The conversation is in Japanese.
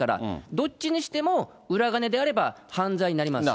どっちにしても、裏金であれば犯罪になります。